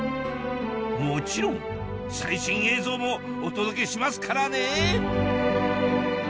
もちろん最新映像もお届けしますからね！